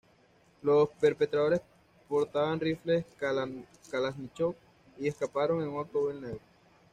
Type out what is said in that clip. Los perpetradores portaban rifles Kalashnikov y escaparon en un automóvil negro.